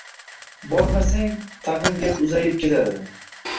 Bormasang, tag`in gap uzayib ketadi